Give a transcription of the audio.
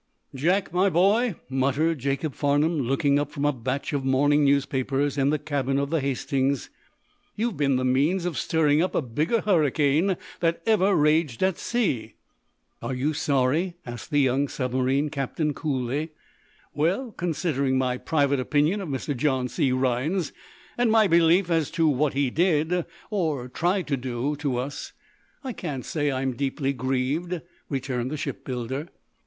"Jack, my boy," muttered Jacob Farnum, looking up from a batch of morning newspapers in the cabin of the "Hastings," "You've been the means of stirring up a bigger hurricane than ever raged at sea." "Are you sorry?" asked the young submarine captain, coolly. "Well, considering my private opinion of Mr. John C. Rhinds, and my belief as to what he did or tried to do to us, I can't say I'm deeply grieved," returned the shipbuilder.